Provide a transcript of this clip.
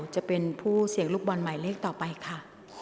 จะเป็นผู้เสี่ยงลูกบอลหมายเลขต่อไปค่ะ